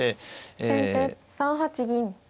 先手３八銀。